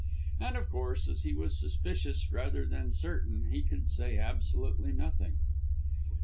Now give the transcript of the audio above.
And, of course, as he was suspicious rather than certain he could say absolutely nothing.